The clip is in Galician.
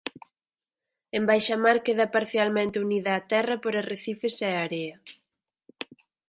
En baixamar queda parcialmente unida a terra por arrecifes e area.